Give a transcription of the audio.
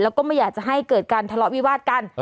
แล้วก็ไม่อยากจะให้เกิดการทะเลาะวิวาดกัน